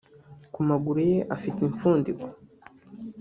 ku amaguru ye afite impfundiko